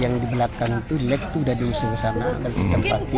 yang dibelakang itu let sudah diusir kesana dan disitikkan